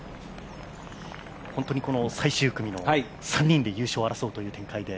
本当にこの最終組の３人で優勝を争うという展開で。